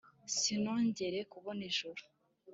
sinongere kubona ijuru